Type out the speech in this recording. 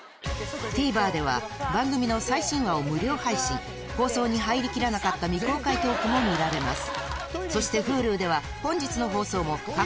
ＴＶｅｒでは番組の最新話を無料配信放送に入りきらなかった未公開トークも見られます